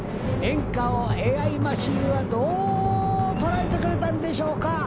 演歌をＡＩマシンはどうとらえてくれたんでしょうか？